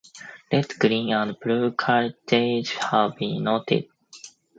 Red, green and blue cartridges have been noted.